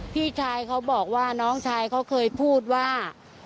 พี่ชายเขาบอกว่าน้องชายเขาเคยพูดว่า